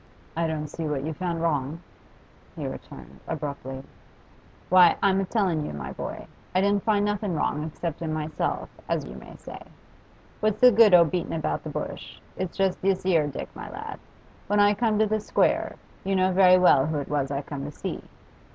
'I don't see what you found wrong,' he returned, abruptly. 'Why, I'm a tellin' you, my boy, I didn't find nothing wrong except in myself, as you may say. What's the good o' beatin' about the bush? It's just this 'ere, Dick, my lad. When I come to the Square, you know very well who it was as I come to see.